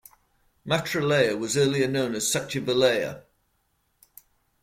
Mantralaya was earlier known as Sachivalaya.